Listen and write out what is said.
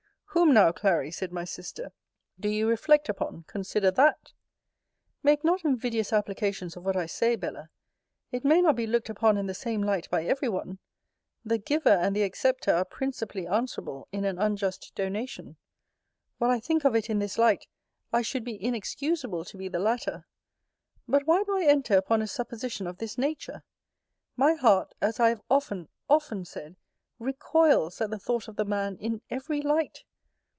Whom now, Clary, said my sister, do you reflect upon? Consider that. Make not invidious applications of what I say, Bella. It may not be looked upon in the same light by every one. The giver and the accepter are principally answerable in an unjust donation. While I think of it in this light, I should be inexcusable to be the latter. But why do I enter upon a supposition of this nature? My heart, as I have often, often said, recoils, at the thought of the man, in every light.